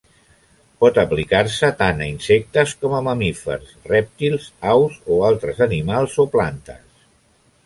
Pot aplicar-se tant a insectes, com a mamífers, rèptils, aus o altres animals o plantes.